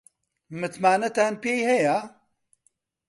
متمانەتان پێی هەیە؟